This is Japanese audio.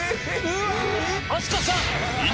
飛鳥さん！